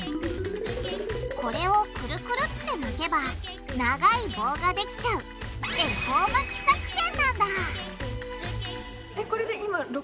これをクルクルって巻けば長い棒ができちゃう「恵方巻き作戦」なんだ！